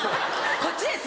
こっちです